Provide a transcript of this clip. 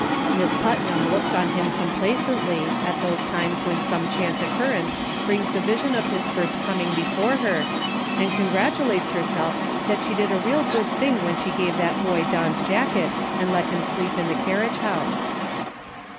Miss Putnam looks at him complacently at those times when some chance occurrence brings the vision of his first coming before her, and congratulates herself that she did a real good thing when she gave that boy Don's jacket and let him sleep in the carriage house.